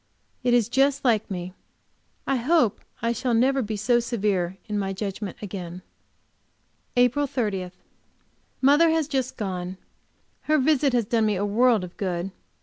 It is just like me; I hope I shall never be so severe in my judgment again. APRIL 30. Mother has just gone. Her visit has done me a world of good.